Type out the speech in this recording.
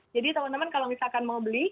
jadi teman teman kalau misalkan mau beli